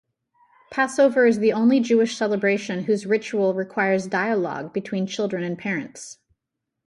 Passover is the only Jewish celebration whose ritual requires dialogue between children and parents.